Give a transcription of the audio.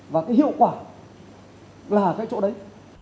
và cái hiệu quả là cái chỗ đấy